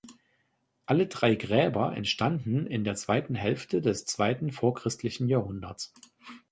Alle drei Gräber entstanden in der zweiten Hälfte des zweiten vorchristlichen Jahrhunderts.